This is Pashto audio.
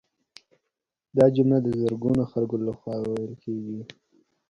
دا جمله د زرګونو خلکو لخوا ویل کیږي